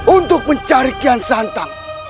untuk mencari kian santang